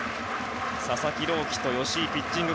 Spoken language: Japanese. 佐々木朗希と吉井ピッチング